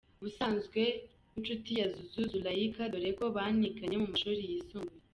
Ubusanzwe w’inshuti ya Zouzou Zoulaika dore ko baniganye mu mashuli yisumbuye.